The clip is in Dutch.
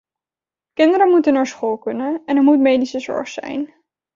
Kinderen moeten naar school kunnen en er moet medische zorg zijn.